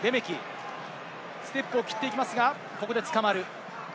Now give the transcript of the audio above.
ステップを切っていきますが、ここでつかまる。